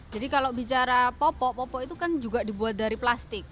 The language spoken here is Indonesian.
jadi kalau bicara popok popok itu kan juga dibuat dari plastik